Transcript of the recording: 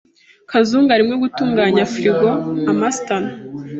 Kazungu arimo gutunganya firigo. (Amastan)